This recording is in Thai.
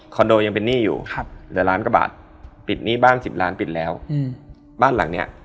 ก็ไม่ต่างนะเนี่ย